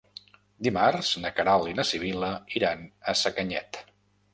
Dimarts na Queralt i na Sibil·la iran a Sacanyet.